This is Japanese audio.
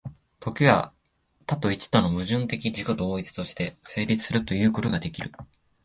時は多と一との矛盾的自己同一として成立するということができる。